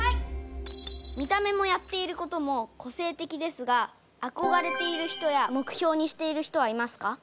見た目もやっていることもこせい的ですがあこがれている人や目標にしている人はいますか？